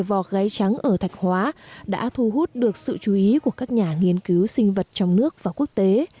các cá thể vọc gáy trắng ở thạch hóa đã thu hút được sự chú ý của các nhà nghiên cứu sinh vật trong nước và quốc tế